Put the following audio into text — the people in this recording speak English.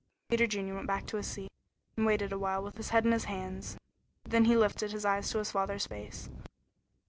Peter Junior went back to his seat, and waited a while, with his head in his hands; then he lifted his eyes to his father's face.